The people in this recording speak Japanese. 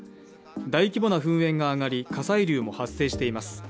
大規模な噴煙が上がり火砕流も発生しています。